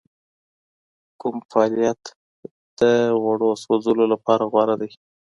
کوم فعالیت د غوړو سوځولو لپاره غوره دی؟